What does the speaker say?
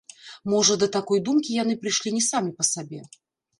Можа, да такой думкі яны прыйшлі не самі па сабе.